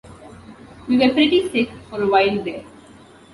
We were pretty sick for a while there.